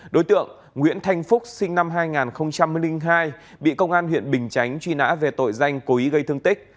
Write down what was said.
đối tượng nguyễn thanh phúc sinh năm hai nghìn hai bị công an huyện bình chánh truy nã về tội danh cố ý gây thương tích